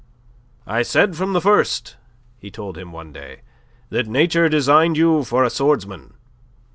"I said from the first," he told him one day, "that Nature designed you for a swordsman.